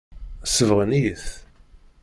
Sebɣen-iyi-t.